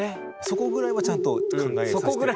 そこぐらいはちゃんと考えさして。